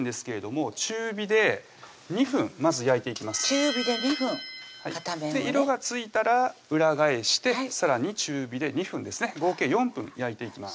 中火で２分片面はね色がついたら裏返してさらに中火で２分ですね合計４分焼いていきます